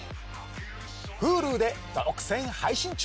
Ｈｕｌｕで独占配信中！